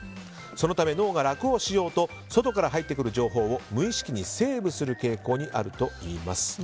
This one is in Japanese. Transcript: そのため脳が楽をしようと外から入ってくる情報を無意識にセーブする傾向にあるといいます。